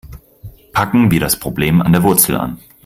Packen wir das Problem an der Wurzel an.